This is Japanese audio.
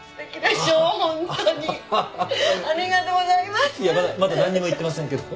まだ何にも言ってませんけど。